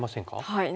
はい。